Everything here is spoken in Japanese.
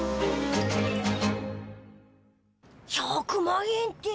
１００万円って。